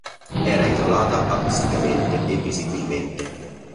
Era isolata acusticamente e visibilmente.